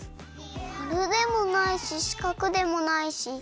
まるでもないししかくでもないし。